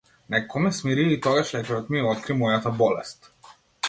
Некако ме смирија и тогаш лекарот ми ја откри мојата болест.